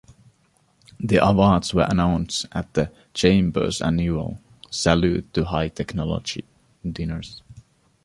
The awards were announced at the Chamber's annual "Salute to High Technology" dinners.